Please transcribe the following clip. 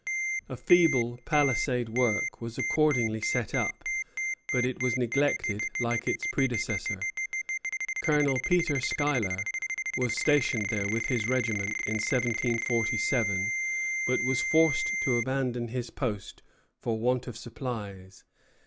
A feeble palisade work was accordingly set up, but it was neglected like its predecessor. Colonel Peter Schuyler was stationed there with his regiment in 1747, but was forced to abandon his post for want of supplies.